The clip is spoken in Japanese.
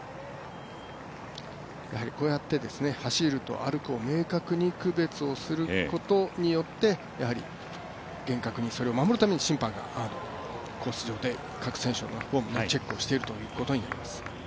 こうやって走ると歩くを明確に区別することによって厳格にそれを守るために審判がコース上で各選手のフォームをチェックをしているということになります。